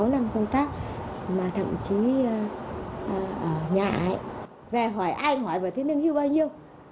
ba mươi sáu năm công tác mà thậm chí ở nhà ấy về hỏi ai hỏi bảo thế lương hưu bao nhiêu